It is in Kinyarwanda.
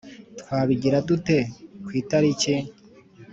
Twabigira dute ku itariki? (